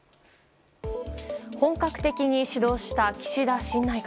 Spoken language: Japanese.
本格的に始動した岸田新内閣。